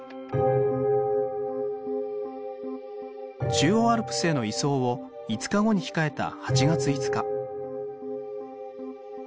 中央アルプスへの移送を５日後に控えた８月５日。